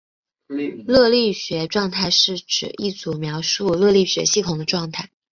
热力学状态是指一组描述热力学系统的状态。